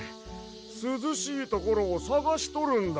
すずしいところをさがしとるんだわ。